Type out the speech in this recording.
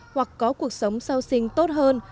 hoặc có cuộc sống sau sinh tốt hơn